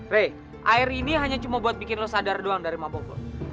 rey air ini hanya cuma buat bikin lo sadar doang dari mabuk lo